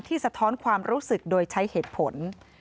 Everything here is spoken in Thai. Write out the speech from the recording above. สะท้อนความรู้สึกโดยใช้เหตุผล